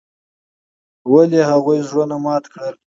ولې هغوي زړونه مات کړل.